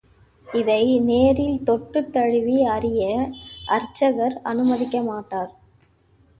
இதை நேரில் தொட்டுத் தடவி அறிய அர்ச்சகர் அனுமதிக்கமாட்டார்.